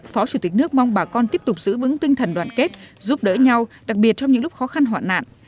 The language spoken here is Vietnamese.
phó chủ tịch nước mong bà con tiếp tục giữ vững tinh thần đoàn kết giúp đỡ nhau đặc biệt trong những lúc khó khăn hoạn nạn